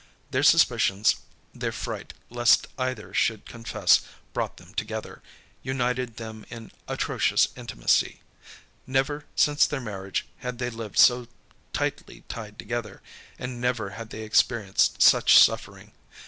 Their suspicions, their fright lest either should confess, brought them together, united them in atrocious intimacy. Never, since their marriage, had they lived so tightly tied together, and never had they experienced such suffering.